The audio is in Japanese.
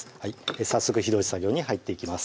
早速火通し作業に入っていきます